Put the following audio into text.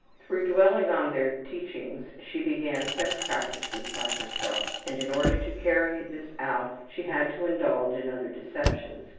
Through dwelling on their teachings she began sex practices by herself, and in order to carry this out she had to indulge in other deceptions.